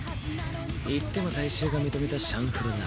いっても大衆が認めた「シャンフロ」だ。